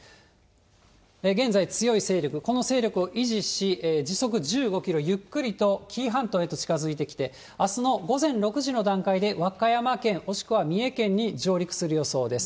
現在、強い勢力、この勢力を維持し、時速１５キロ、ゆっくりと紀伊半島へと近づいてきて、あすの午前６時の段階で和歌山県もしくは三重県に上陸する予想です。